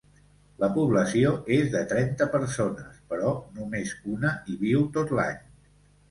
La població és de trenta persones però només una hi viu tot l'any.